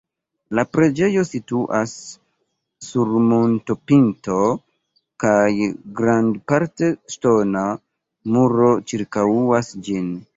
La preĝejo situas sur montopinto kaj grandparte ŝtona muro ĉirkaŭas ĝin.